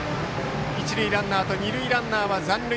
一塁ランナーと二塁ランナーは残塁。